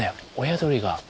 親鳥が。